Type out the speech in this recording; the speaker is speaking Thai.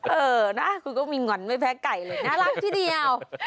เออนะคุณก็มีหง่อนไม่แพ้ไก่เลยน่ารักทีเดียว